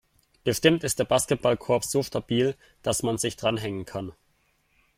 Bestimmt ist der Basketballkorb so stabil, dass man sich dranhängen kann.